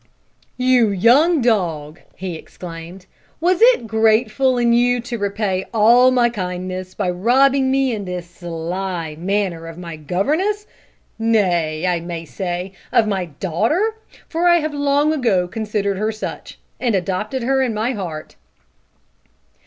"You young dog!" he exclaimed, "was it grateful in you to repay all my kindness by robbing me in this sly manner of my governess nay, I may say, of my daughter, for I have long ago considered her such, and adopted her in my heart?"